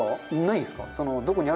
ないんすか？